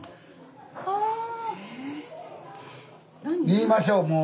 言いましょうもう。